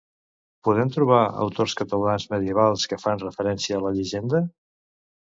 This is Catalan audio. Podem trobar autors catalans medievals que fan referència a la llegenda?